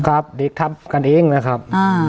ครับเด็กทับกันเองนะครับ